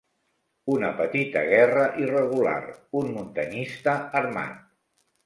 Una petita guerra irregular, un muntanyista armat,